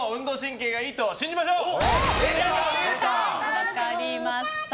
分かりました。